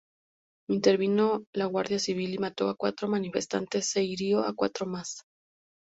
Intervino la Guardia Civil y mató a cuatro manifestantes e hirió a cuatro más.